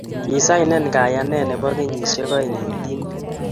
kisainan kayane nebo kenyisiek oeng' eng' timit